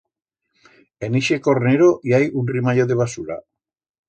En ixe cornero i hai un rimallo de basura.